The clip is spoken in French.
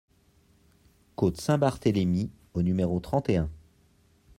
Côte Saint-Barthélémy au numéro trente et un